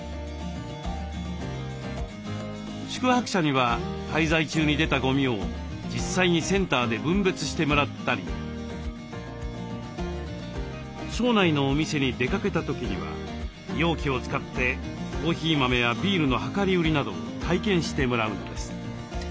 宿泊者には滞在中に出たゴミを実際にセンターで分別してもらったり町内のお店に出かけた時には容器を使ってコーヒー豆やビールの量り売りなどを体験してもらうのです。